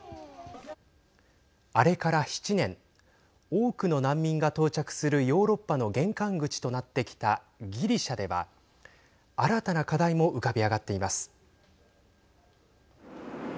あれから７年多くの難民が到着するヨーロッパの玄関口となってきたギリシャでは新たな課題も浮かび上がっています。